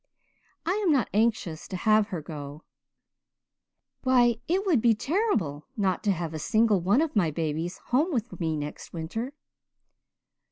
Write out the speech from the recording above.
I am not anxious to have her go why, it would be terrible not to have a single one of my babies home with me next winter.